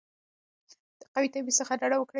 د قومي تبعیض څخه ډډه وکړئ.